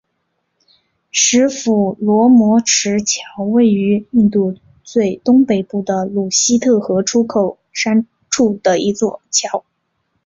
持斧罗摩池桥位于印度最东北部的鲁西特河出山口处的一座桥。